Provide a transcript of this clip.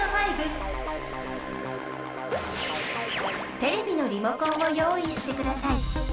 テレビのリモコンを用意してください。